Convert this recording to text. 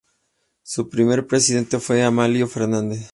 Su primer presidente fue Amalio Fernández.